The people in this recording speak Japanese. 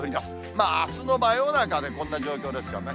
まあ、あすの真夜中でこんな状況ですからね。